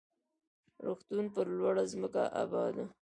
روغتون پر لوړه ځمکه اباد و.